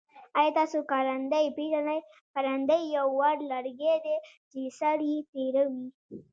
آیا تاسو کرندی پیژنی؟ کرندی یو وړ لرګی دی چه سر یي تیره وي.